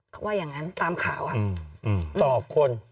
เขาว่าอย่างนั้นตามข่าวต่อคน